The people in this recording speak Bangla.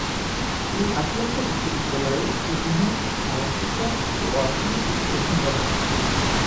তিনি আটলান্টা বিশ্ববিদ্যালয়ে ইতিহাস সমাজবিজ্ঞান ও অর্থনীতির অধ্যাপক হন।